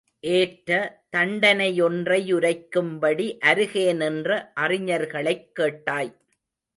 ஏற்ற தண்டனையொன்றை யுரைக்கும்படி அருகே நின்ற அறிஞர்களைக் கேட்டாய்.